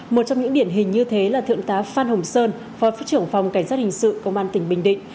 một trong những điển hình như thế là thượng tá phan hồng sơn phó thủ trưởng phòng cảnh sát hình sự công an tỉnh bình định